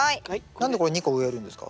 何でこれ２個植えるんですか？